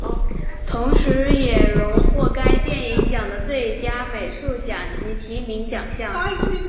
同时也荣获该电影奖的最佳美术奖及提名奖项。